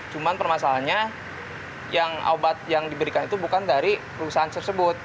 cuma permasalahannya obat yang diberikan bukan dari perusahaan tersebut